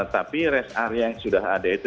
tapi rest area yang sudah ada itu